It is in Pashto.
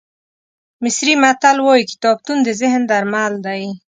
مصري متل وایي کتابتون د ذهن درمل دی.